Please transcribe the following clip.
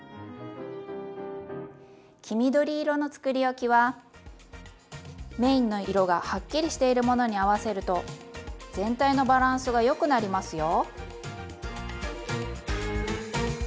黄緑色のつくりおきはメインの色がはっきりしているものに合わせると全体のバランスがよくなりますよ。